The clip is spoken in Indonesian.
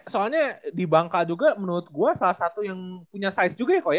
soalnya di bangka juga menurut gue salah satu yang punya size juga ya kok ya